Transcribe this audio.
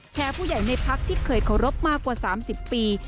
ผู้ใหญ่ในพักที่เคยเคารพมากกว่า๓๐ปี